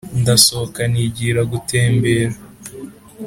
ndasohoka nigira gutembera."